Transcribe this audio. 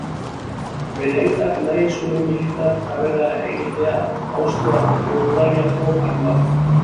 Bere aitak nahi zuen militar karrera egitea Austria-Hungariako armadan.